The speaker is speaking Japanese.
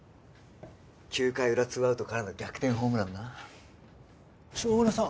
９回裏ツーアウトからの逆転ホームランな下村さん